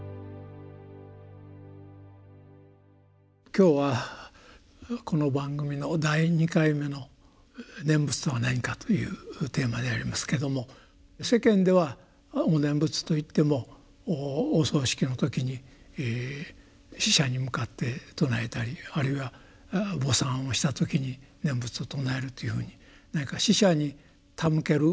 今日はこの番組の第２回目の「念仏とはなにか」というテーマでありますけども世間ではお念仏といってもお葬式の時に死者に向かって称えたりあるいは墓参をした時に念仏を称えるっていうふうに何か死者に手向ける